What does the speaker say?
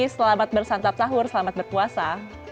selamat bersantap sahur selamat berpuasa